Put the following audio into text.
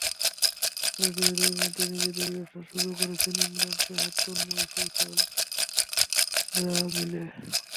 তবে এরই মধ্যে নিজেদের ব্যবসা শুরু করেছেন ইমরান, সাহেদ, তন্ময়, ফয়সালরা মিলে।